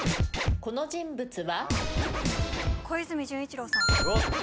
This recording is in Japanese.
この人物は？